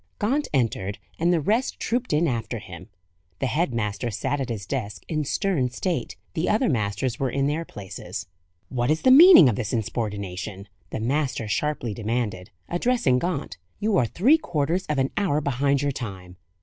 Gaunt entered, and the rest trooped in after him. The head master sat at his desk in stern state: the other masters were in their places. "What is the meaning of this insubordination?" the master sharply demanded, addressing Gaunt. "You are three quarters of an hour behind your time."